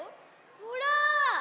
ほら！